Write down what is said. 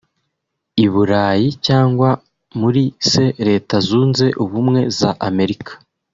i Burayi cyangwa muri se Leta Zunze Ubumwe za Amerika